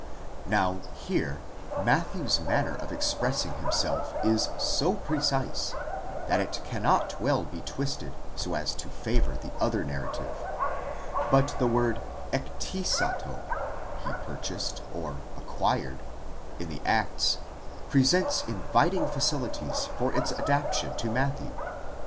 Now here Matthew's manner of expressing himself is so precise, that it cannot well be twisted so as to favour the other narrative ; but the word ἐκτήσατο (he purchased or acquired) in the Acts presents inviting facilities for its adaptation to Matthew.